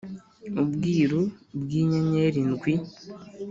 ubwiru bw’inyenyeri ndwi,